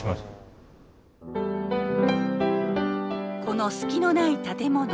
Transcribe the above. この隙のない建物。